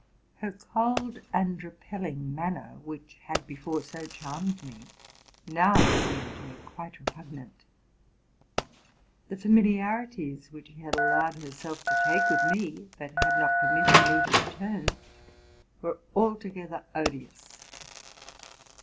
Her cold and repelling manner, which had before so charmed me, now seemed to me quite repugnant . the familiarities which she had allowed herself to take with me, but had not permitted me to return, were altogether odious.